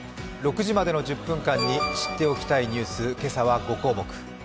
６時までの１０分間に知っておきたいニュース、今朝は５項目。